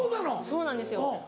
そうなんですよ。